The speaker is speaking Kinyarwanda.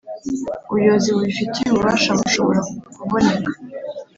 ubuyobozi bubifitiye ububasha bushobora kuboneka